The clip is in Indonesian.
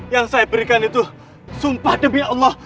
yang saya berikan itu sumpah demi allah